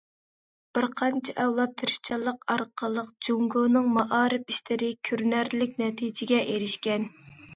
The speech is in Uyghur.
بىر قانچە ئەۋلاد تىرىشچانلىق ئارقىلىق، جۇڭگونىڭ مائارىپ ئىشلىرى كۆرۈنەرلىك نەتىجىگە ئېرىشكەن.